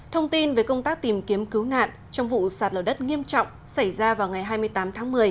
thông tin về công tác tìm kiếm cứu nạn trong vụ sạt lở đất nghiêm trọng xảy ra vào ngày hai mươi tám tháng một mươi